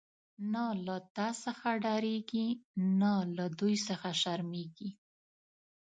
نه له تا څخه ډاریږی، نه له دوی څخه شرمیږی